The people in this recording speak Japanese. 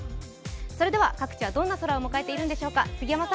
それでは各地はどんな空を迎えているんでしょうか。